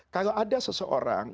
kalau ada seseorang